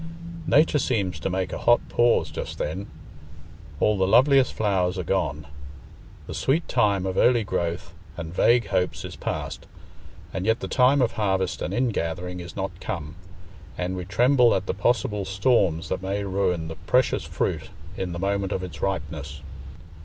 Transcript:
Nature seems to make a hot pause just then: all the loveliest flowers are gone; the sweet time of early growth and vague hopes is past; and yet the time of harvest and ingathering is not come, and we tremble at the possible storms that may ruin the precious fruit in the moment of its ripeness.